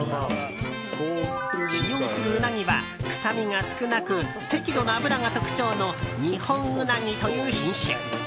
使用するウナギは臭みが少なく適度な脂が特徴のニホンウナギという品種。